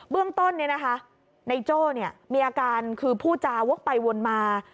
เบื้องต้นนี้นะคะนายโจ้มีอาการคือผู้จาวกไปวนมา